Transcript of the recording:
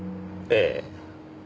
ええ。